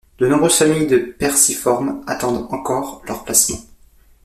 De nombreuses familles de Perciformes attendent encore leur placement.